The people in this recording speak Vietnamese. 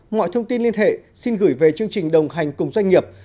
mọi thông tin liên hệ xin gửi về chương trình đồng hành cùng doanh nghiệp